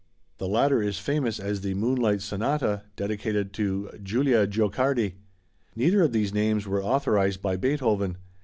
The latter is famous as the "Moonlight" sonata, dedicated to Julia Guicciardi. Neither of these names were authorized by Beethoven.